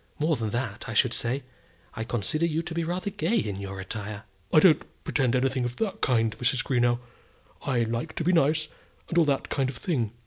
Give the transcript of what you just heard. More than that, I should say. I consider you to be rather gay in your attire." "I don't pretend to anything of that kind, Mrs. Greenow. I like to be nice, and all that kind of thing.